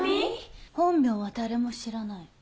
本名は誰も知らない